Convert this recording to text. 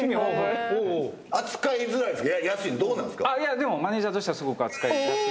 でもマネジャーとしてはすごく扱いやすい。